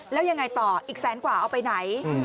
แล้วยังไงต่ออีกแสนกว่าเอาไปไหน